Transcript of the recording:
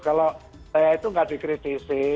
kalau saya itu nggak dikritisi